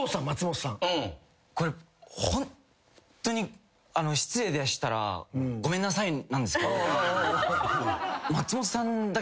これホントに失礼でしたらごめんなさいなんですけど。